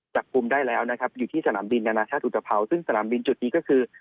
จับกลุ่มได้แล้วนะครับอยู่ที่สนามบินนานาชาติอุตภาวซึ่งสนามบินจุดนี้ก็คือ